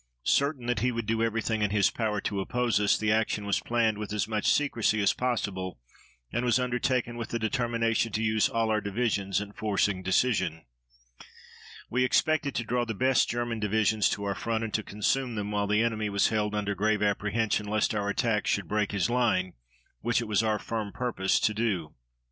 Certain that he would do everything in his power to oppose us, the action was planned with as much secrecy as possible and was undertaken with the determination to use all our divisions in forcing decision. We expected to draw the best German divisions to our front and to consume them while the enemy was held under grave apprehension lest our attack should break his line, which it was our firm purpose to do.